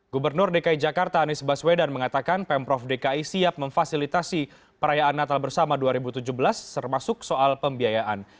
gubernur dki jakarta anies baswedan mengatakan pemprov dki siap memfasilitasi perayaan natal bersama dua ribu tujuh belas termasuk soal pembiayaan